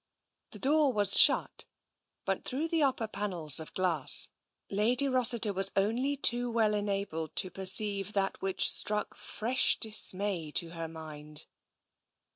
The door was shut, but through the upper panels of glass Lady Ros siter was only too well enabled to perceive that which struck fresh dismay to her mind.